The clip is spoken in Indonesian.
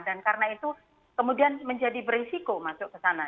dan karena itu kemudian menjadi berisiko masuk ke sana